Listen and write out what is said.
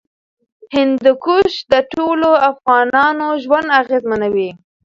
هندوکش د ټولو افغانانو ژوند اغېزمنوي.